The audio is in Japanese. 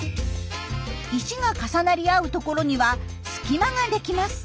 石が重なり合うところには隙間が出来ます。